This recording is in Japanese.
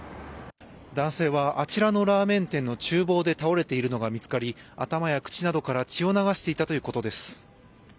男性はあちらのラーメン店の厨房で倒れているのが見つかり頭や口などから血を流していたということです。